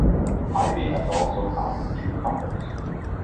Ivey has also founded two companies.